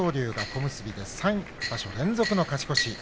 小結で３場所連続の勝ち越し。